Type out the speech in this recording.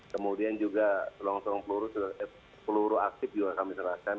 kemudian juga peluru aktif juga kami serahkan